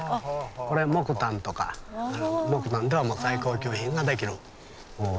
これ木炭とか木炭では最高級品ができる木です。